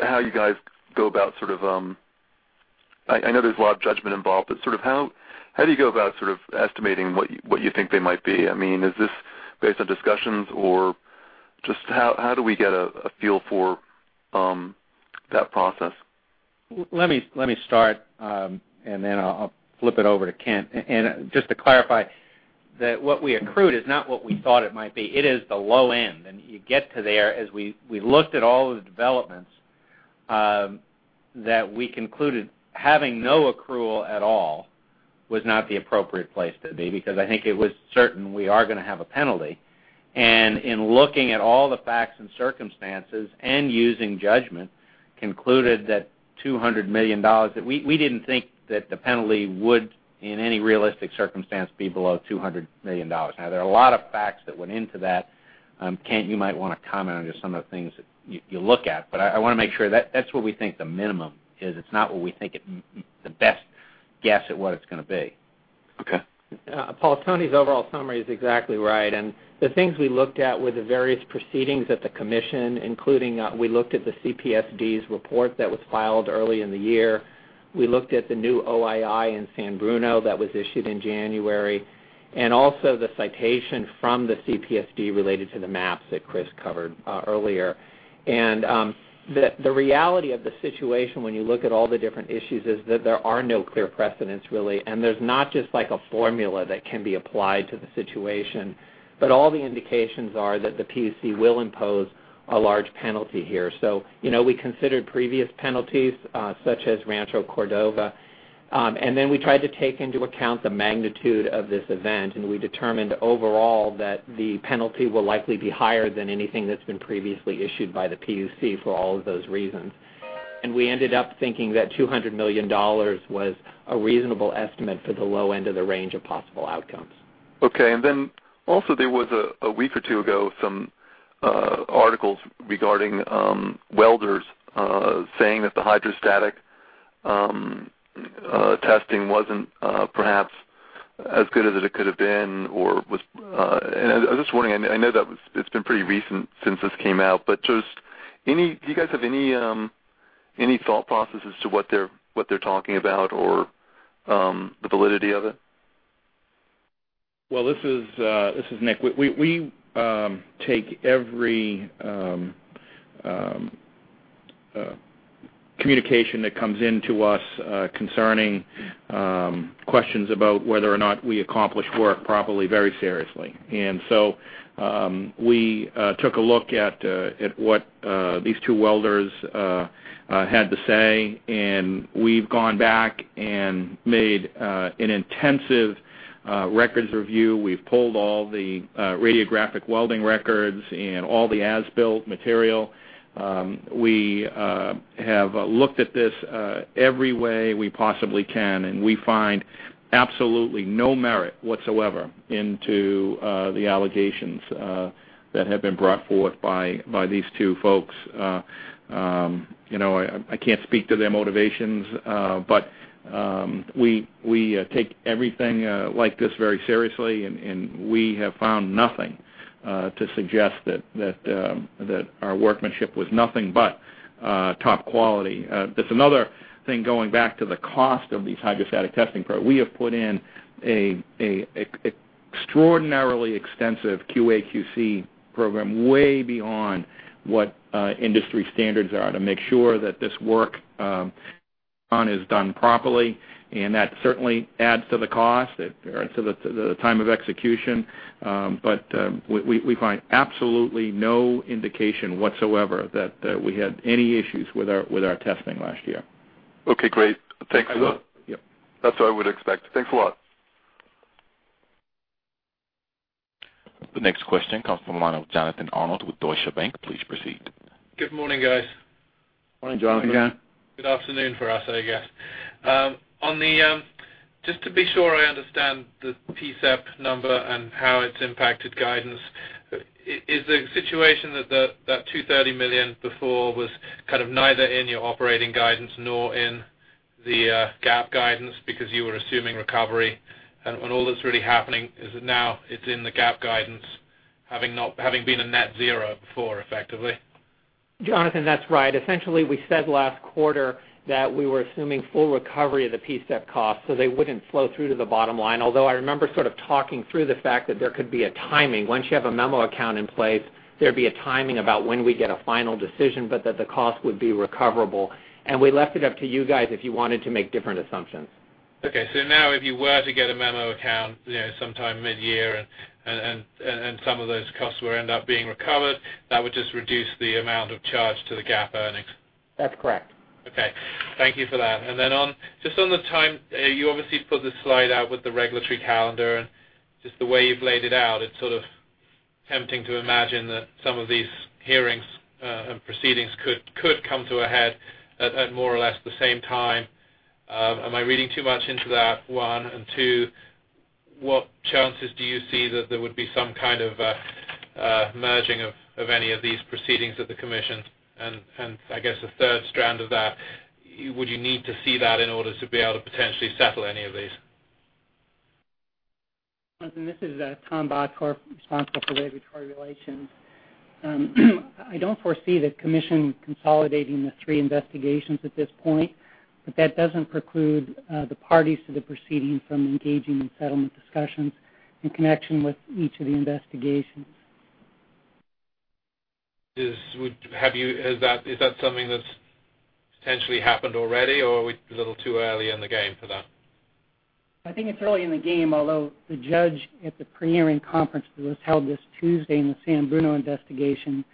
how you guys go about, I know there's a lot of judgment involved, but how do you go about estimating what you think they might be? I mean, is this based on discussions or just how do we get a feel for that process? Let me start, then I'll flip it over to Kent. Just to clarify, what we accrued is not what we thought it might be. It is the low end. You get to there as we looked at all those developments, that we concluded having no accrual at all was not the appropriate place to be because I think it was certain we are going to have a penalty. In looking at all the facts and circumstances and using judgment, concluded that $200 million, that we didn't think that the penalty would, in any realistic circumstance, be below $200 million. There are a lot of facts that went into that. Kent, you might want to comment on just some of the things that you look at. I want to make sure that that's what we think the minimum is. It's not what we think the best guess at what it's going to be. Okay. Paul, Tony's overall summary is exactly right. The things we looked at were the various proceedings at the commission, including we looked at the CPSD's report that was filed early in the year. We looked at the new OII in San Bruno that was issued in January, and also the citation from the CPSD related to the maps that Chris covered earlier. The reality of the situation when you look at all the different issues is that there are no clear precedents, really. There is not just like a formula that can be applied to the situation, but all the indications are that the CPUC will impose a large penalty here. We considered previous penalties such as Rancho Cordova. We tried to take into account the magnitude of this event. We determined overall that the penalty will likely be higher than anything that's been previously issued by the CPUC for all of those reasons. We ended up thinking that $200 million was a reasonable estimate for the low end of the range of possible outcomes. Okay. There was a week or two ago some articles regarding welders saying that the hydrostatic testing wasn't perhaps as good as it could have been or was. I was just wondering, I know that it's been pretty recent since this came out, but do you guys have any thought processes to what they're talking about or the validity of it? This is Nick. We take every communication that comes into us concerning questions about whether or not we accomplish work properly very seriously. We took a look at what these two welders had to say. We have gone back and made an intensive records review. We have pulled all the radiographic welding records and all the as-built material. We have looked at this every way we possibly can. We find absolutely no merit whatsoever into the allegations that have been brought forth by these two folks. I can't speak to their motivations, but we take everything like this very seriously. We have found nothing to suggest that our workmanship was nothing but top quality. That's another thing going back to the cost of these hydrostatic testing programs. We have put in an extraordinarily extensive QA/QC program way beyond what industry standards are to make sure that this work is done properly. That certainly adds to the cost or to the time of execution. We find absolutely no indication whatsoever that we had any issues with our testing last year. Okay, great. Thanks. I will. That's what I would expect. Thanks a lot. The next question comes from the line of Jonathan Arnold with Deutsche Bank. Please proceed. Good morning, guys. Morning, Jonathan. Good afternoon for us, I guess. On the, just to be sure I understand the PSEP number and how it's impacted guidance, is the situation that that $230 million before was kind of neither in your operating guidance nor in the GAAP guidance because you were assuming recovery, and when all this really happening, is it now it's in the GAAP guidance having not having been a net zero before, effectively? Jonathan, that's right. Essentially, we said last quarter that we were assuming full recovery of the PSEP costs so they wouldn't flow through to the bottom line. I remember talking through the fact that there could be a timing. Once you have a memo account in place, there would be a timing about when we get a final decision, but that the cost would be recoverable. We left it up to you guys if you wanted to make different assumptions. Okay, if you were to get a memo account, you know, sometime mid-year and some of those costs would end up being recovered, that would just reduce the amount of charge to the GAAP earnings. That's correct. Okay. Thank you for that. On the time, you obviously put this slide out with the regulatory calendar, and just the way you've laid it out, it's sort of tempting to imagine that some of these hearings and proceedings could come to a head at more or less the same time. Am I reading too much into that? One, what chances do you see that there would be some kind of merging of any of these proceedings at the commission? I guess the third strand of that, would you need to see that in order to be able to potentially settle any of these? Listen, this is Tom Bottorff, responsible for Regulatory Relations. I don't foresee the Commission consolidating the three investigations at this point, but that doesn't preclude the parties to the proceeding from engaging in settlement discussions in connection with each of the investigations. Is that something that's potentially happened already, or are we a little too early in the game for that? I think it's early in the game, although the judge at the pre-hearing conference that was held this Tuesday in the San Bruno investigation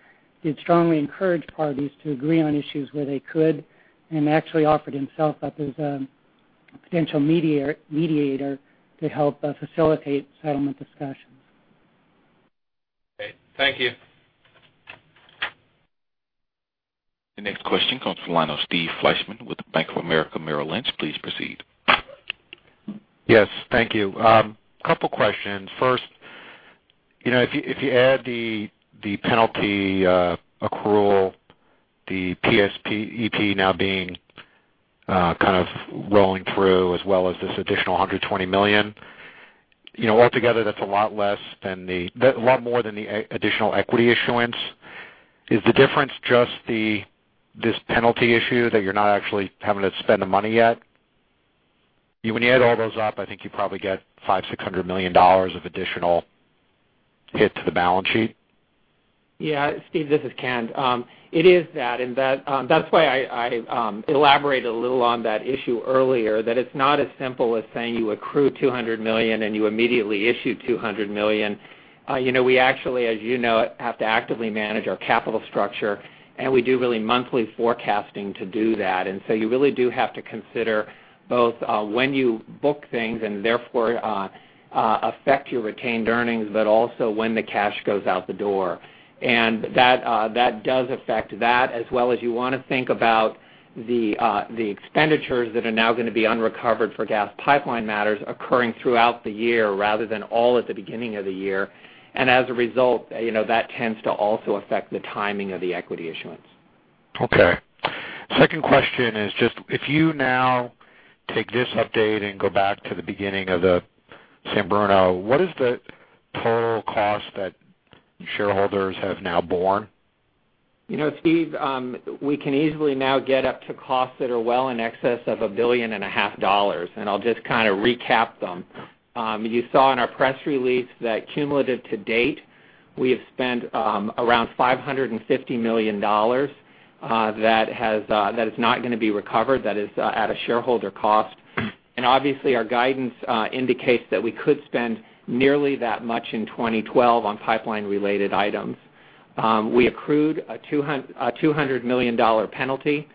did strongly encourage parties to agree on issues where they could and actually offered himself up as a potential mediator to help facilitate settlement discussions. Okay, thank you. The next question comes from the line of Steve Fleishman with Bank of America Merrill Lynch. Please proceed. Yes, thank you. A couple of questions. First, if you add the penalty accrual, the PSEP now being kind of rolling through as well as this additional $120 million, altogether that's a lot more than the additional equity issuance. Is the difference just this penalty issue that you're not actually having to spend the money yet? When you add all those up, I think you probably get $500 million, $600 million of additional hit to the balance sheet. Yeah, Steve, this is Kent. It is that, and that's why I elaborated a little on that issue earlier, that it's not as simple as saying you accrue $200 million and you immediately issue $200 million. You know, we actually, as you know, have to actively manage our capital structure, and we do really monthly forecasting to do that. You really do have to consider both when you book things and therefore affect your retained earnings, but also when the cash goes out the door. That does affect that, as well as you want to think about the expenditures that are now going to be unrecovered for gas pipeline matters occurring throughout the year rather than all at the beginning of the year. As a result, you know, that tends to also affect the timing of the equity issuance. Okay. Second question is just if you now take this update and go back to the beginning of the San Bruno, what is the total cost that your shareholders have now borne? You know, Steve, we can easily now get up to costs that are well in excess of $1.5 billion. I'll just kind of recap them. You saw in our press release that cumulative to date, we have spent around $550 million that is not going to be recovered, that is at a shareholder cost. Obviously, our guidance indicates that we could spend nearly that much in 2012 on pipeline-related items. We accrued a $200 million penalty.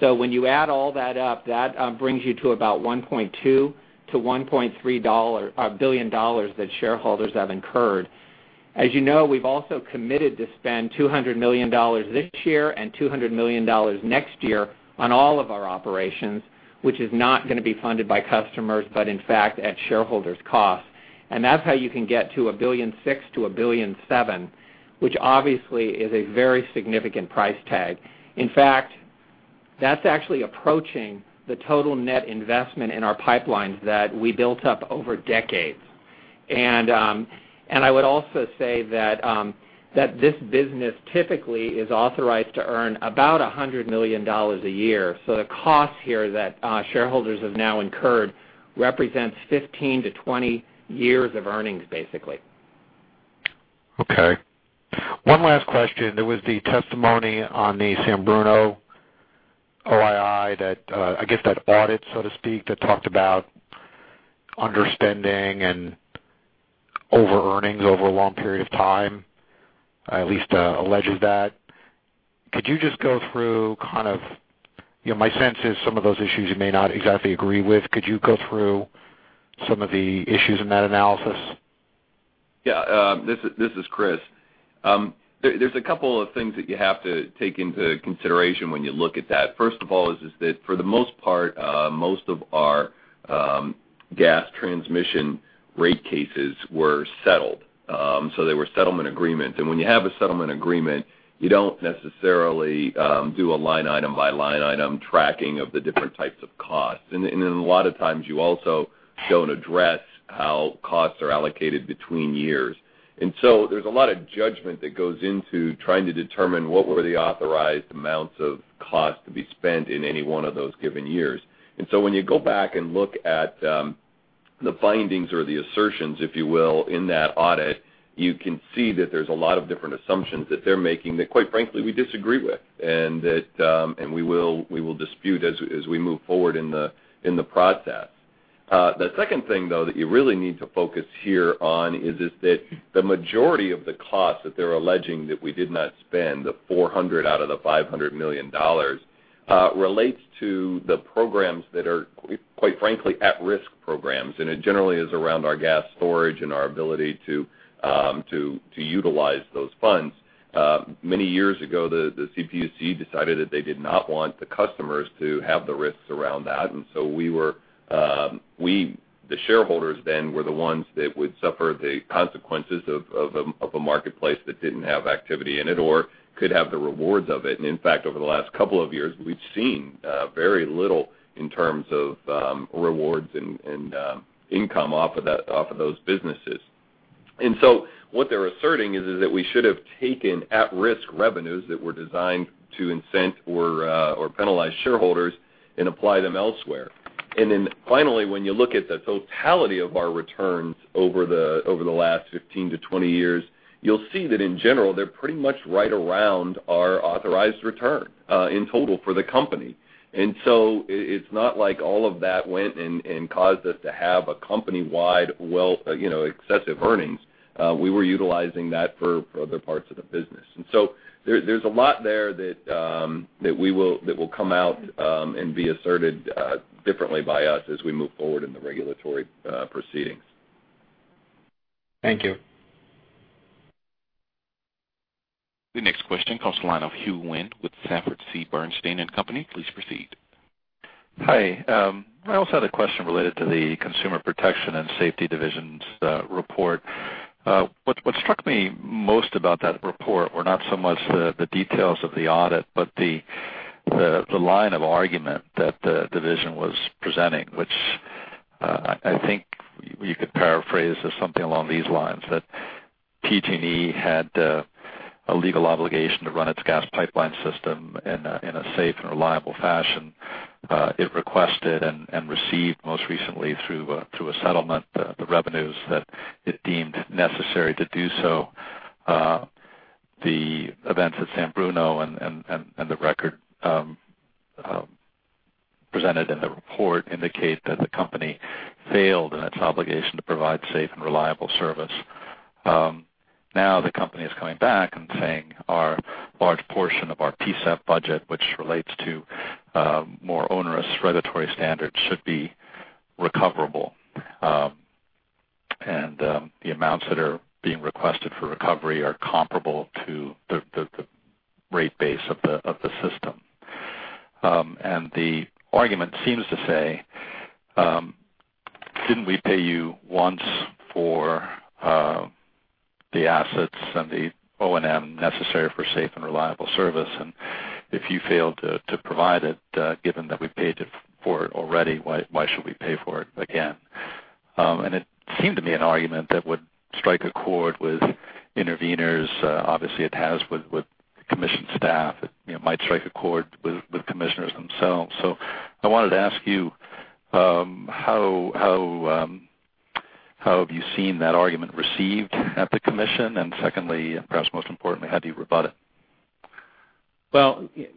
When you add all that up, that brings you to about $1.2 billion-$1.3 billion that shareholders have incurred. As you know, we've also committed to spend $200 million this year and $200 million next year on all of our operations, which is not going to be funded by customers, but in fact, at shareholders' costs. That's how you can get to $1.6 billion to $1.7 billion, which obviously is a very significant price tag. In fact, that's actually approaching the total net investment in our pipelines that we built up over decades. I would also say that this business typically is authorized to earn about $100 million a year. The cost here that shareholders have now incurred represents 15-20 years of earnings, basically. Okay. One last question. There was the testimony on the San Bruno OII that, I guess, that audit, so to speak, that talked about understanding and over-earnings over a long period of time, at least alleges that. Could you just go through, you know, my sense is some of those issues you may not exactly agree with. Could you go through some of the issues in that analysis? Yeah, this is Chris. There's a couple of things that you have to take into consideration when you look at that. First of all, for the most part, most of our gas transmission rate cases were settled. They were settlement agreements. When you have a settlement agreement, you don't necessarily do a line item by line item tracking of the different types of costs. A lot of times, you also don't address how costs are allocated between years. There's a lot of judgment that goes into trying to determine what were the authorized amounts of costs to be spent in any one of those given years. When you go back and look at the findings or the assertions, if you will, in that audit, you can see that there's a lot of different assumptions that they're making that, quite frankly, we disagree with and that we will dispute as we move forward in the process. The second thing that you really need to focus here on is that the majority of the costs that they're alleging that we did not spend, the $400 million out of the $500 million, relates to the programs that are, quite frankly, at-risk programs. It generally is around our gas storage and our ability to utilize those funds. Many years ago, the CPUC decided that they did not want the customers to have the risks around that. We were, the shareholders then were the ones that would suffer the consequences of a marketplace that didn't have activity in it or could have the rewards of it. In fact, over the last couple of years, we've seen very little in terms of rewards and income off of those businesses. What they're asserting is that we should have taken at-risk revenues that were designed to incent or penalize shareholders and apply them elsewhere. Finally, when you look at the totality of our returns over the last 15-20 years, you'll see that in general, they're pretty much right around our authorized return in total for the company. It's not like all of that went and caused us to have a company-wide excessive earnings. We were utilizing that for other parts of the business. There's a lot there that will come out and be asserted differently by us as we move forward in the regulatory proceedings. Thank you. The next question comes from the line of Hugh Wynne with Sanford C. Bernstein & Company. Please proceed. Hi. I also had a question related to the Consumer Protection and Safety Division's report. What struck me most about that report were not so much the details of the audit, but the line of argument that the division was presenting, which I think you could paraphrase as something along these lines, that PG&E had a legal obligation to run its gas pipeline system in a safe and reliable fashion. It requested and received most recently through a settlement the revenues that it deemed necessary to do so. The events at San Bruno and the record presented in the report indicate that the company failed in its obligation to provide safe and reliable service. Now the company is coming back and saying a large portion of our PSEP budget, which relates to more onerous regulatory standards, should be recoverable. The amounts that are being requested for recovery are comparable to the rate base of the system. The argument seems to say, "Didn't we pay you once for the assets and the O&M necessary for safe and reliable service? If you failed to provide it, given that we paid for it already, why should we pay for it again?" It seemed to me an argument that would strike a chord with interveners. Obviously, it has with commission staff. It might strike a chord with commissioners themselves. I wanted to ask you, how have you seen that argument received at the commission? Secondly, and perhaps most importantly, how do you rebut it?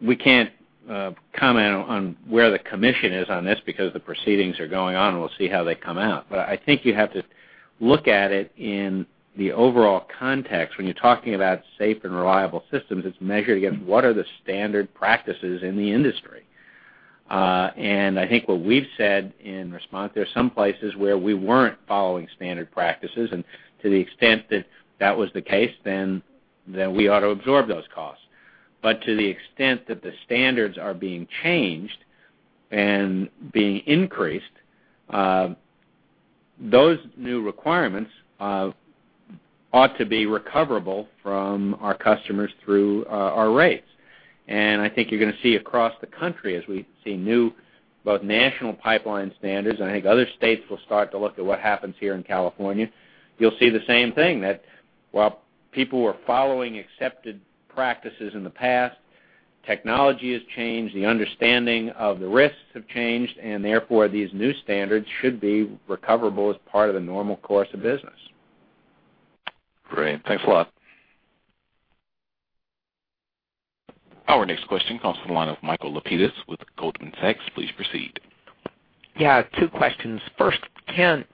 We can't comment on where the commission is on this because the proceedings are going on. We'll see how they come out. I think you have to look at it in the overall context. When you're talking about safe and reliable systems, it's measured against what are the standard practices in the industry. I think what we've said in response, there are some places where we weren't following standard practices. To the extent that that was the case, then we ought to absorb those costs. To the extent that the standards are being changed and being increased, those new requirements ought to be recoverable from our customers through our rates. I think you're going to see across the country, as we see new both national pipeline standards, and I think other states will start to look at what happens here in California, you'll see the same thing that while people were following accepted practices in the past, technology has changed, the understanding of the risks have changed, and therefore, these new standards should be recoverable as part of the normal course of business. Great, thanks a lot. Our next question comes from the line of Michael Lapides with Goldman Sachs. Please proceed. Yeah, two questions. First, Kent,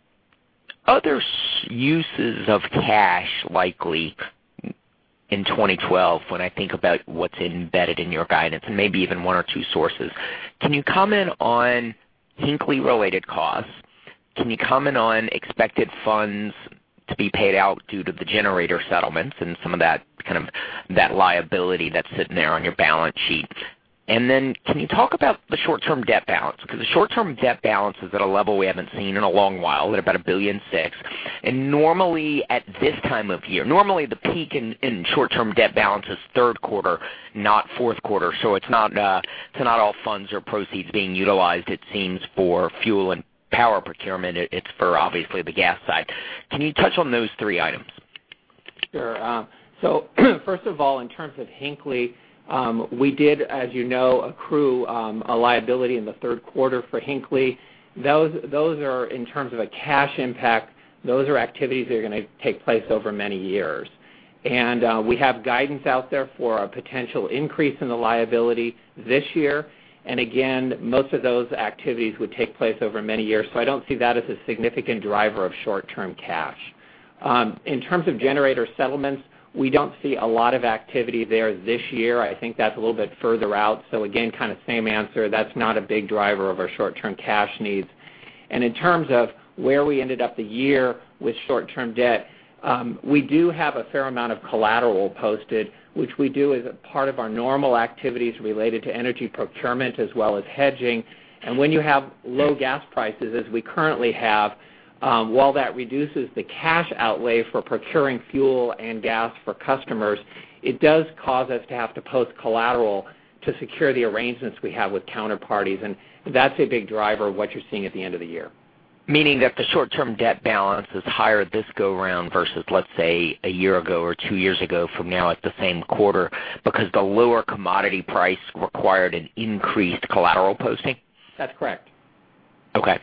other uses of cash likely in 2012, when I think about what's embedded in your guidance and maybe even one or two sources, can you comment on Hinckley-related costs? Can you comment on expected funds to be paid out due to the generator settlements and some of that kind of that liability that's sitting there on your balance sheet? Can you talk about the short-term debt balance? The short-term debt balance is at a level we haven't seen in a long while, at about $1.6 billion. Normally at this time of year, the peak in short-term debt balance is third quarter, not fourth quarter. It's not all funds or proceeds being utilized, it seems, for fuel and power procurement. It's for obviously the gas side. Can you touch on those three items? Sure. First of all, in terms of Hinckley, we did, as you know, accrue a liability in the third quarter for Hinckley. In terms of a cash impact, those are activities that are going to take place over many years. We have guidance out there for a potential increase in the liability this year. Most of those activities would take place over many years. I don't see that as a significant driver of short-term cash. In terms of generator settlements, we don't see a lot of activity there this year. I think that's a little bit further out. That's not a big driver of our short-term cash needs. In terms of where we ended up the year with short-term debt, we do have a fair amount of collateral posted, which we do as a part of our normal activities related to energy procurement as well as hedging. When you have low gas prices, as we currently have, while that reduces the cash outlay for procuring fuel and gas for customers, it does cause us to have to post collateral to secure the arrangements we have with counterparties. That's a big driver of what you're seeing at the end of the year. Meaning that the short-term debt balance is higher this go-round versus, let's say, a year ago or two years ago from now at the same quarter because the lower commodity price required an increased collateral posting? That's correct. Okay.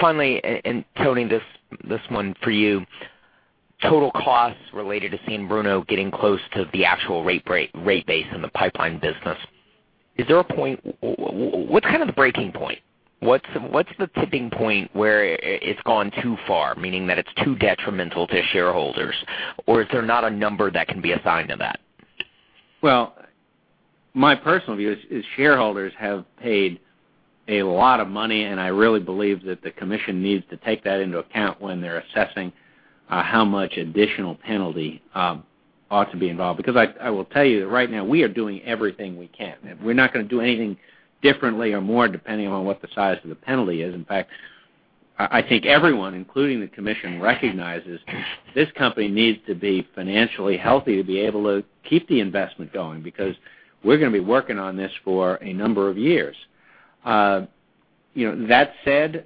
Finally, and Tony, this one for you, total costs related to San Bruno getting close to the actual rate base in the pipeline business. Is there a point, what's kind of the breaking point? What's the tipping point where it's gone too far, meaning that it's too detrimental to shareholders? Or is there not a number that can be assigned to that? My personal view is shareholders have paid a lot of money, and I really believe that the commission needs to take that into account when they're assessing how much additional penalty ought to be involved. I will tell you that right now, we are doing everything we can. We're not going to do anything differently or more depending on what the size of the penalty is. In fact, I think everyone, including the commission, recognizes this company needs to be financially healthy to be able to keep the investment going because we're going to be working on this for a number of years. That said,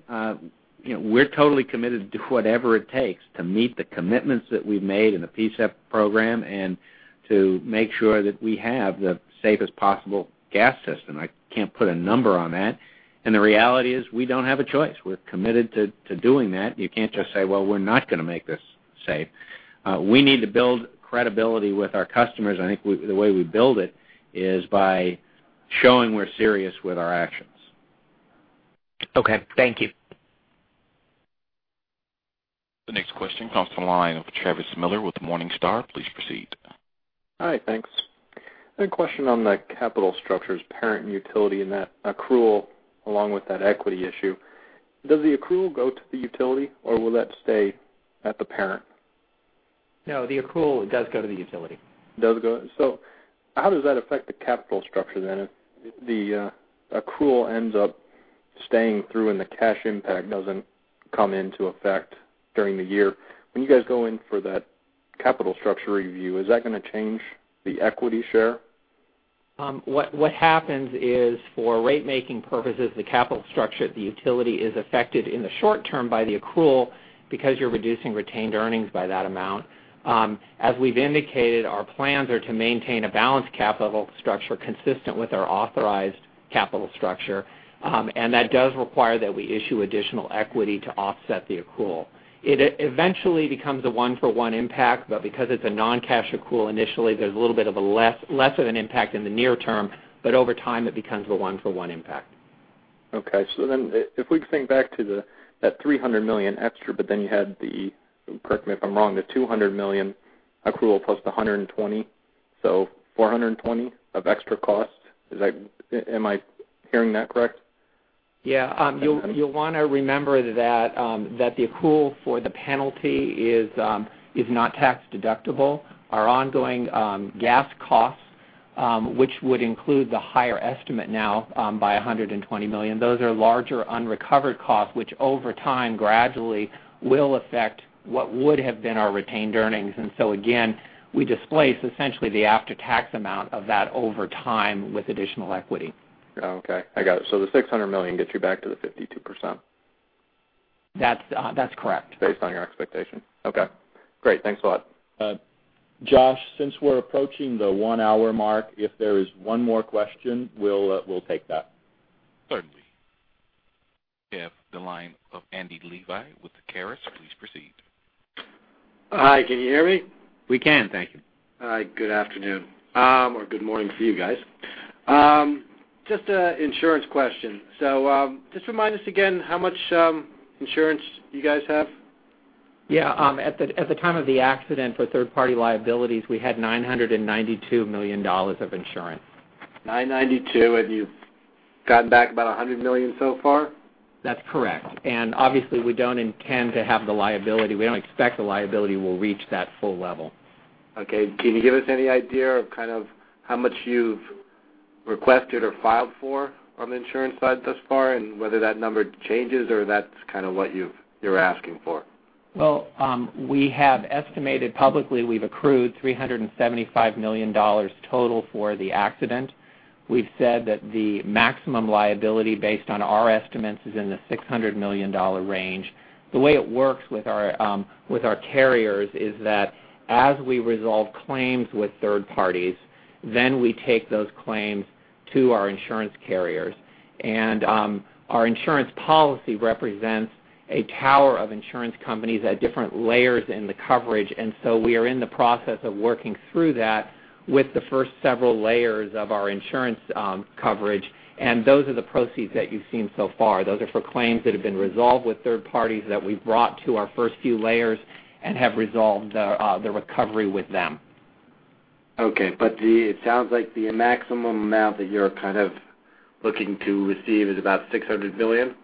we're totally committed to whatever it takes to meet the commitments that we've made in the PSEP program and to make sure that we have the safest possible gas system. I can't put a number on that. The reality is we don't have a choice. We're committed to doing that. You can't just say, "We're not going to make this safe." We need to build credibility with our customers. I think the way we build it is by showing we're serious with our actions. Okay, thank you. The next question comes from the line of Travis Miller with Morningstar. Please proceed. Hi, thanks. I have a question on the capital structures, parent and utility, and that accrual, along with that equity issue. Does the accrual go to the utility, or will that stay at the parent? No, the accrual does go to the utility. How does that affect the capital structure then if the accrual ends up staying through and the cash impact doesn't come into effect during the year? When you guys go in for that capital structure review, is that going to change the equity share? What happens is for rate-making purposes, the capital structure at the utility is affected in the short term by the accrual because you're reducing retained earnings by that amount. As we've indicated, our plans are to maintain a balanced capital structure consistent with our authorized capital structure. That does require that we issue additional equity to offset the accrual. It eventually becomes a one-for-one impact, but because it's a non-cash accrual initially, there's a little bit of a less of an impact in the near term, but over time, it becomes a one-for-one impact. Okay. If we think back to that $300 million extra, but then you had the, correct me if I'm wrong, the $200 million accrual plus the $120 million, so $420 million of extra costs. Is that, am I hearing that correct? Yeah. You'll want to remember that the accrual for the penalty is not tax deductible. Our ongoing gas costs, which would include the higher estimate now by $120 million, those are larger unrecovered costs, which over time gradually will affect what would have been our retained earnings. We displace essentially the after-tax amount of that over time with additional equity. Okay. I got it. The $600 million gets you back to the 52%. That's correct. Based on your expectation. Okay. Great. Thanks a lot. Josh, since we're approaching the one-hour mark, if there is one more question, we'll take that. Certainly. We have the line of Andy Levi with Caris. Please proceed. Hi, can you hear me? We can, thank you. Hi, good afternoon, or good morning for you guys. Just an insurance question. Just remind us again how much insurance you guys have. Yeah. At the time of the accident for third-party liabilities, we had $992 million of insurance. $992 million. Have you gotten back about $100 million so far? That's correct. Obviously, we don't intend to have the liability. We don't expect the liability will reach that full level. Okay. Can you give us any idea of kind of how much you've requested or filed for from the insurance side thus far, and whether that number changes or that's kind of what you're asking for? We have estimated publicly, we've accrued $375 million total for the accident. We've said that the maximum liability based on our estimates is in the $600 million range. The way it works with our carriers is that as we resolve claims with third parties, we take those claims to our insurance carriers. Our insurance policy represents a tower of insurance companies at different layers in the coverage. We are in the process of working through that with the first several layers of our insurance coverage. Those are the proceeds that you've seen so far. Those are for claims that have been resolved with third parties that we've brought to our first few layers and have resolved the recovery with them. Okay. It sounds like the maximum amount that you're kind of looking to receive is about $600 billion?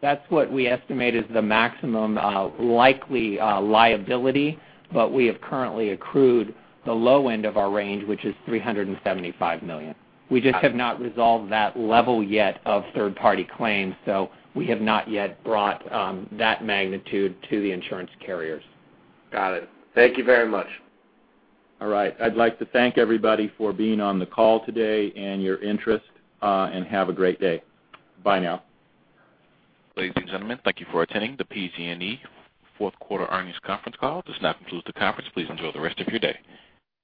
That's what we estimate is the maximum likely liability, but we have currently accrued the low end of our range, which is $375 million. We just have not resolved that level yet of third-party claims, so we have not yet brought that magnitude to the insurance carriers. Got it. Thank you very much.